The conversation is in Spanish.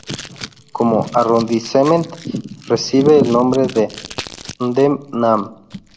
Como "arrondissement" recibe el nombre de Ndem-Nam.